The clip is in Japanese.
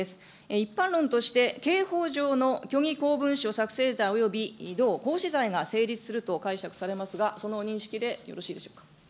一般論として刑法上の虚偽公文書作成罪および同行使罪が成立すると解釈されますが、その認識でよろしいでしょうか。